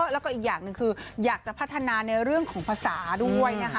แล้วก็อีกอย่างหนึ่งคืออยากจะพัฒนาในเรื่องของภาษาด้วยนะคะ